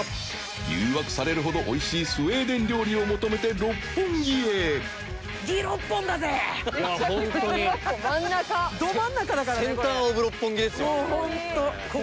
誘惑されるほど美味しいスウェーデン料理を求めて六本木へ豹燭鹵罎世蕕これ。